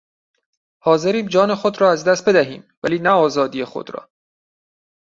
حاضریم جان خود را از دست بدهیم ولی نه آزادی خود را.